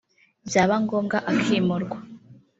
byaba ngombwa akimurwa